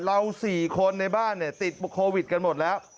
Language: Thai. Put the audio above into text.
เรา๔คนในบ้านติดโควิดกันหมดแล้ว